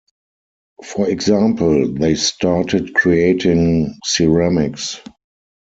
For example, they started creating ceramics.